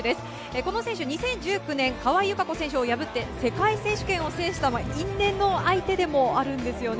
この選手、２０１９年、川井友香子選手を破って、世界選手権を制した因縁の相手でもあるんですよね。